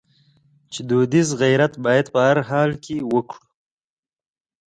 چې دودیز غیرت باید په هر حال کې وکړو.